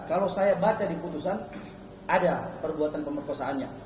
kalau saya baca di putusan ada perbuatan pemerkosaannya